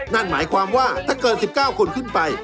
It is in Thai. นั่นหมายความว่าถ้าเกิด๑๙คนขึ้นไป